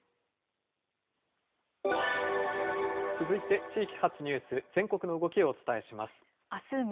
続いて地域発ニュース、全国の動きをお伝えします。